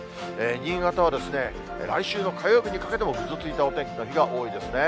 新潟は来週の火曜日にかけてもぐずついたお天気の日が多いですね。